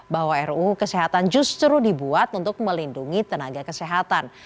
bahwa ruu kesehatan justru dibuat untuk melindungi tenaga kesehatan